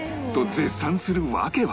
絶賛する訳は